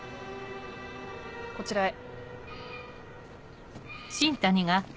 こちらへ。